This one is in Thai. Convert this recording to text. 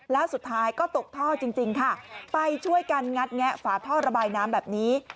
แล้วสุดท้ายก็ตกท่อจริงค่ะไปช่วยกันงัดแงะฝาท่อระบายน้ำแบบนี้